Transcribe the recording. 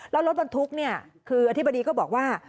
แล้วรถบรรทุกเนี่ยคืออธิบดีก็บอกว่า